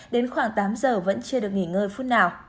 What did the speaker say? đến khoảng tám giờ vẫn chưa được nghỉ ngơi phút nào